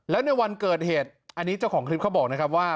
แล้วในวันเกิดเหตุอันนี้เจ้าของคลิปเขาบอกนะครับว่า